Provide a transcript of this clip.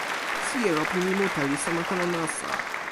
sijelo pi mi mute li sama telo nasa.